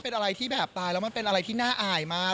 เป็นอะไรที่แบบตายแล้วมันเป็นอะไรที่น่าอายมาก